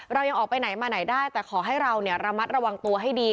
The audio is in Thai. เรายังออกไปไหนมาไหนได้แต่ขอให้เราระมัดระวังตัวให้ดี